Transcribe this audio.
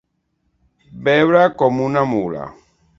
Beure com una mula.